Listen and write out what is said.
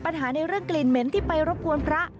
ในเรื่องกลิ่นเหม็นที่ไปรบกวนพระ